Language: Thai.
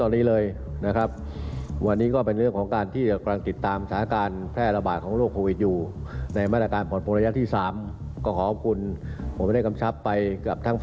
ได้ในละครครับ